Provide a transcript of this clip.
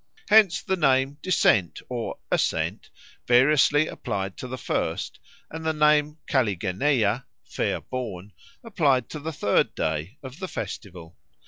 Hence the name Descent or Ascent variously applied to the first, and the name Kalligeneia (fair born) applied to the third day of the festival.